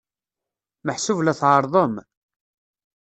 Meḥsub la tɛerrḍem?